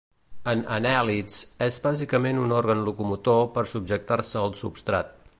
En anèl·lids, és bàsicament un òrgan locomotor per subjectar-se al substrat.